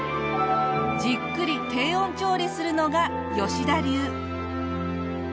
じっくり低温調理するのが吉田流。